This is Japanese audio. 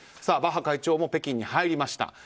バッハ会長も北京に入りました。